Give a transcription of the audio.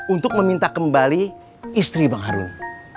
untuk meminta kembali istri bang harun